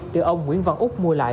được ông nguyễn văn úc mua lại